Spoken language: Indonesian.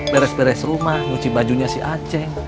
beres beres rumah nguci bajunya si acing